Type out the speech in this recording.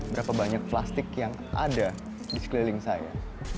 berapa banyak plastik yang ada di sekeliling saya